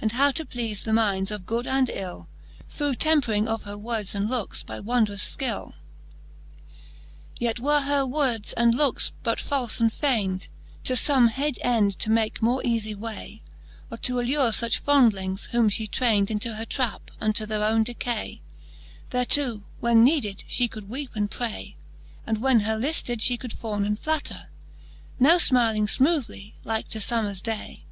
And how to pleafe the minds of good and ill. Through tempering of her words and lookes by wondrous fkill. XLII. Yet Canto VI. the Faerie ^eene, 299 XLII. Yet were her words and lookes but falfe and fayned, To fome hid end to make more eafie way, Or to allure fuch fondlings, whom fhe trayned Into her trap unto their owne decay : Thereto, when needed, flie could weepe and pray, And when her lifted, fhe could fawne and flatter ; Now fmyling fmoothly, like to fommers day.